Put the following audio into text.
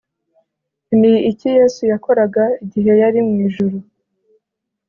Ni iki yesu yakoraga igihe yari mu ijuru